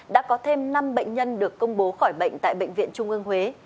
đã có thêm năm bệnh nhân được công bố khỏi bệnh tại bệnh viện trung ương huế